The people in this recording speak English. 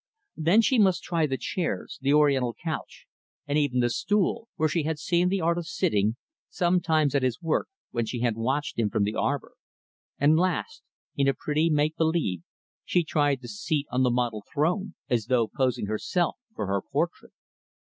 Then she must try the chairs, the oriental couch, and even the stool where she had seen the artist sitting, sometimes, at his work, when she had watched him from the arbor; and last in a pretty make believe she tried the seat on the model throne, as though posing herself, for her portrait.